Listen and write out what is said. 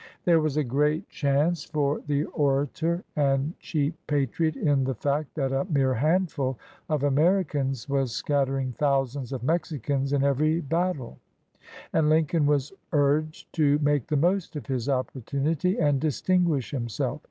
There was a great chance for the orator and cheap patriot in the fact that a mere handful of Americans was scat tering thousands of Mexicans in every battle, and Lincoln was urged to make the most of his opportunity and distinguish himself.